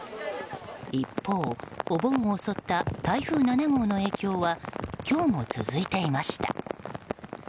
一方、お盆を襲った台風７号の影響は今日も続いていました。